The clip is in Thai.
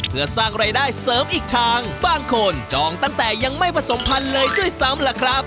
เพื่อสร้างรายได้เสริมอีกทางบางคนจองตั้งแต่ยังไม่ผสมพันธุ์เลยด้วยซ้ำล่ะครับ